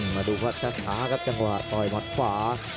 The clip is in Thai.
มาดูภาพช้าครับจังหวะต่อยหมัดขวา